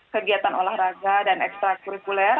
kegiatan olahraga dan ekstra kurikuler